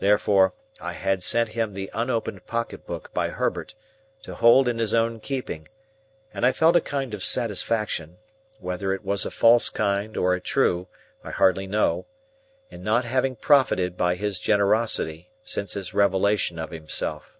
Therefore, I had sent him the unopened pocket book by Herbert, to hold in his own keeping, and I felt a kind of satisfaction—whether it was a false kind or a true, I hardly know—in not having profited by his generosity since his revelation of himself.